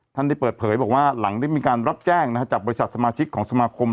ท่านได้เปิดเผยบอกว่าหลังได้มีการรับแจ้ง